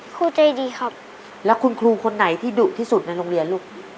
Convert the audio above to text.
ครูใจดีครับแล้วคุณครูคนไหนที่ดุที่สุดในโรงเรียนลูก